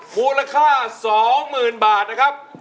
มูลค่าสองหมื่นบาทนะครับ